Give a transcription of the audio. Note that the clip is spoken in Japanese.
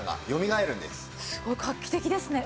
すごい画期的ですね。